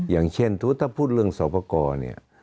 อย่างเช่นถ้าพูดเรื่องสอบกรเนี่ย